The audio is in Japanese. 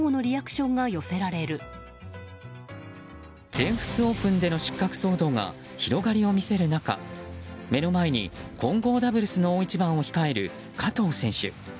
全仏オープンでの失格騒動が広がりを見せる中目の前に混合ダブルスの大一番を控える加藤選手。